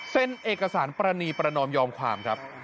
เอกสารปรณีประนอมยอมความครับ